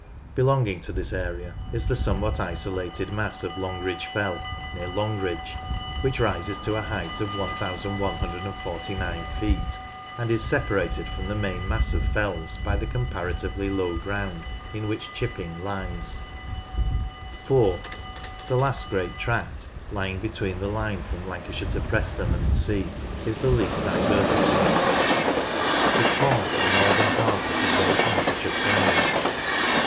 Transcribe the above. Belonging to this area is the somewhat isolated mass of Longridge Fell, near Longridge, which rises to a height of 1149 feet, and is separated from the main mass of fells by the comparatively low ground in which Chipping lies. SURFACE AND GENERAL FEATURES 39 (4) The last great tract, lying between the line from Lancashire to Preston and the sea, is the least diversified. It forms the northern part of the great Lancashire plain.